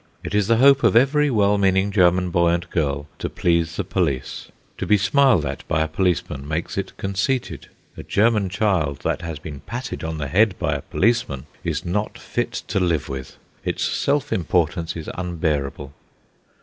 It is the hope of every well meaning German boy and girl to please the police. To be smiled at by a policeman makes it conceited. A German child that has been patted on the head by a policeman is not fit to live with; its self importance is unbearable.